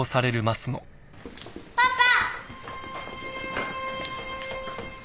・パパ！